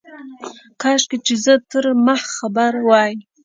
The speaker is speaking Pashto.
کاشکي چي زه تر مخ خبر وای.